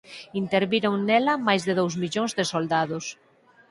Interviron nela máis de dous millóns de soldados.